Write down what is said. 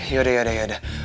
yaudah yaudah yaudah